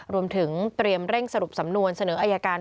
รวมถึงเตรียมเร่งสรุปสำนวนเสนออายการ